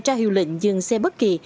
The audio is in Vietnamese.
tra hiệu lệnh dừng xe bất kỳ